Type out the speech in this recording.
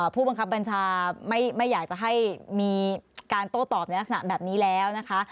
ผู้บังคับบัญชาไม่อยากจะให้มีการโต้ตอบในลักษณะแบบนี้แล้วนะคะ